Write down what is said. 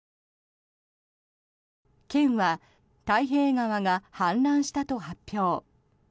県は太平川が氾濫したと発表。